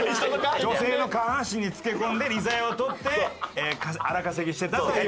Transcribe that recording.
女性の下半身につけ込んで利ざやを取って荒稼ぎしてたっていう。